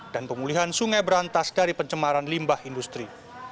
dan pemulihan sungai berantas dari pencemaran limbah industri